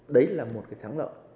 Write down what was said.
đấy là một cái thắng lợi